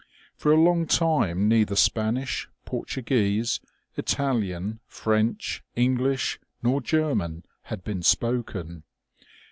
For a long time neither Spanish, Portuguese, Italian, French, English nor German had been spoken.